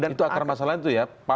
itu akar masalah itu ya